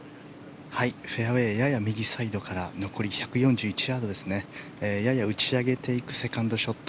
フェアウェーやや右サイドから残り１４１ヤード。やや打ち上げていくセカンドショット。